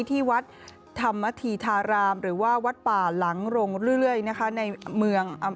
ที่วัดธรรมธีธารามหรือว่าวัดป่าหลังโรงเรื่อยนะคะในเมือง